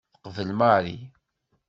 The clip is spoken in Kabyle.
Teqbel Mary.